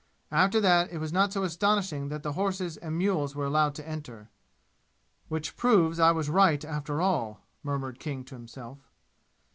After that it was not so astonishing that the horses and mules were allowed to enter. "Which proves I was right after all!" murmured King to himself.